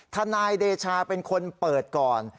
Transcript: ทนายเดชาเป็นคนเปิดก่อน